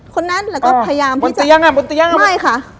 คนนั้นแล้วก็พยายามอ่อบนเตี๊ยงอ่ะบนเตี๊ยงอ่ะไม่ค่ะ